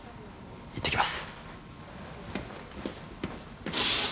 いってきます。